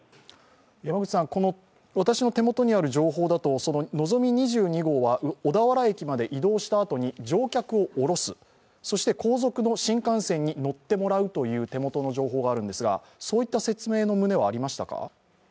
私の手元にある情報だと、「のぞみ２２号」は小田原駅まで移動したあとに乗客を下ろすそして後続の新幹線に乗ってもらうという手元の情報があるんですがそういった説明の旨はありましたか？